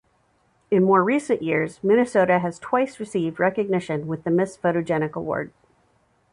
In more recent years, Minnesota has twice received recognition with the Miss Photogenic award.